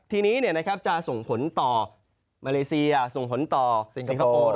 ทีนี้จะส่งผลต่อมาเลเซียส่งผลต่อสิงคโปร์